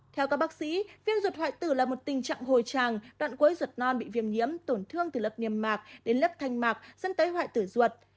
theo các bác sĩ viêm ruột hoại tử là một tình trạng hồi tràng đoạn quấy ruột non bị viêm nhiễm tổn thương từ lớp niềm mạc đến lớp thanh mạc dẫn tới hoại tử ruột